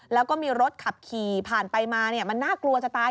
แล้วก็มีรถขับขี่ผ่านไปมามันน่ากลัวจะตาย